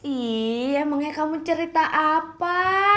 iya emangnya kamu cerita apa